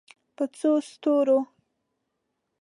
په څو ستورو